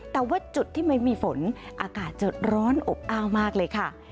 แต่ว่าจุดที่ไม่มีฝนอากาศจะร้อนอบอ้าวมากเลยค่ะ